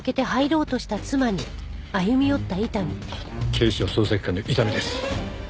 警視庁捜査一課の伊丹です。